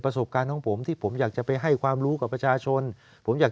ประสบการณ์ของผมที่ผมอยากจะไปให้ความรู้กับประชาชนผมอยาก